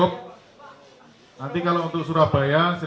pak ini kan komunikasi tadi